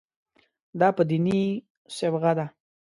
دا په دیني صبغه ده.